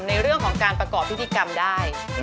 ในเรื่องของการประกอบพิธีกรรมได้